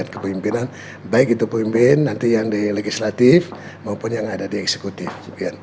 kepemimpinan baik itu pemimpin nanti yang di legislatif maupun yang ada di eksekutif